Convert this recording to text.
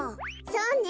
そうね。